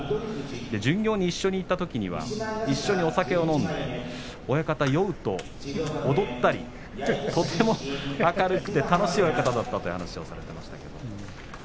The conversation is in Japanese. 巡業に一緒に行ったときには一緒にお酒を飲んで親方は酔うと踊ったりとても明るくて楽しい親方だったと話していました。